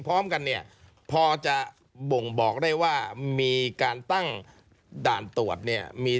พร้อมกันเนี่ยพอจะบ่งบอกได้ว่ามีการตั้งด่านตรวจเนี่ยมี